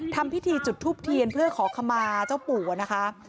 ทำพิธีจุดทูปเทียนเพื่อขอขมาเจ้าปู่นะคะ